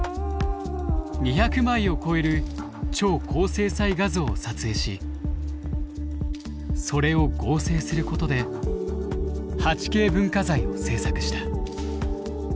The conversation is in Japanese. ２００枚を超える超高精細画像を撮影しそれを合成することで８Ｋ文化財を制作した。